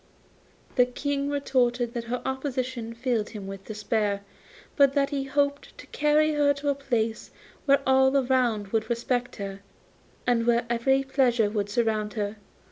The King retorted that her opposition filled him with despair, but that he hoped to carry her to a place where all around would respect her, and where every pleasure would surround her.